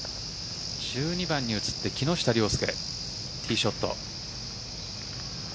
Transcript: １２番に移って木下稜介ティーショット。